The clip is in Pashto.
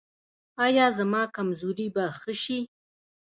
ایا زما کمزوري به ښه شي؟